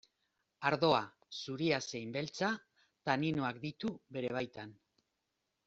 Ardoa, zuria zein beltza, taninoak ditu bere baitan.